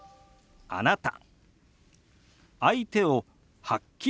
「あなた」。